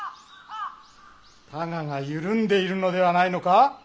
たがが緩んでいるのではないのか？